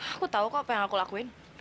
aku tahu kok apa yang aku lakuin